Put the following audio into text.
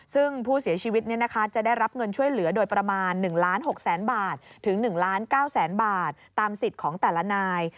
ซึ่งผู้เสียชีวิตจะได้รับเงินช่วยเหลือโดยประมาณ๑ล้าน๖แสนบาทถึง๑ล้าน๙แสนบาทตามสิทธิ์ของแต่ละนาย